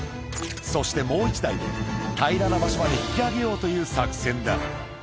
そしてもう１台で、平らな場所まで引き上げようという作戦だ。